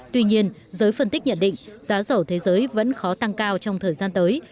tuy nhiên giới phân tích nhận định giá dầu thế giới vẫn khó tăng cao trong thời gian tới